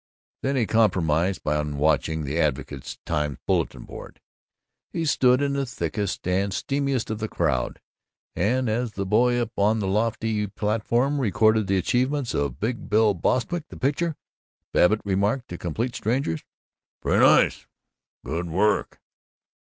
Then he compromised on watching the Advocate Times bulletin board. He stood in the thickest and steamiest of the crowd, and as the boy up on the lofty platform recorded the achievements of Big Bill Bostwick, the pitcher, Babbitt remarked to complete strangers, "Pretty nice! Good work!"